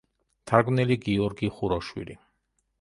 მთარგმნელი: გიორგი ხუროშვილი.